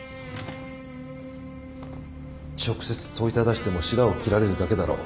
直接問いただしてもしらを切られるだけだろう。